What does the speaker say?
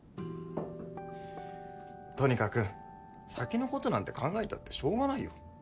とにかく先のことなんて考えたってしょうがないよ。